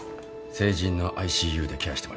成人のＩＣＵでケアしてもらいます。